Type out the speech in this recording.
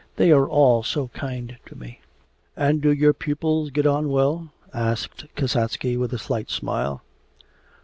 They are all so kind to me.' 'And do your pupils get on well?' asked Kasatsky with a slight smile.